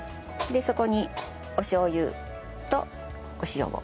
でそこにおしょう油とお塩を。